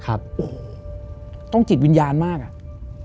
โอ้โหต้องจิตวิญญาณมากอ่ะ